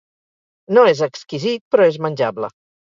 No és exquisit, però és menjable.